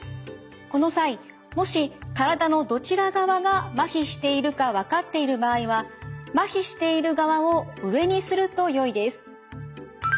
この際もし体のどちら側がまひしているか分かっている場合はまひしている側を上にするとよいです。